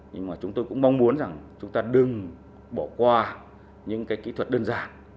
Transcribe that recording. nhưng mà chúng tôi cũng mong muốn rằng chúng ta đừng bỏ qua những cái kỹ thuật đơn giản